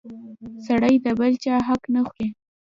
سړی د بل چا حق نه خوري!